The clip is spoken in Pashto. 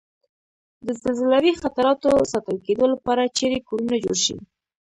د زلزلوي خطراتو ساتل کېدو لپاره چېرې کورنه جوړ شي؟